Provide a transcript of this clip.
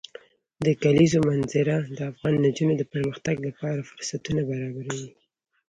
د کلیزو منظره د افغان نجونو د پرمختګ لپاره فرصتونه برابروي.